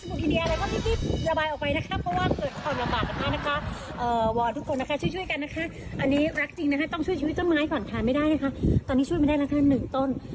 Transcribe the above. ตอนนี้ช่วยไม่ได้นะคะ๑ต้น